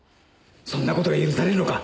そんな事が許されるのか？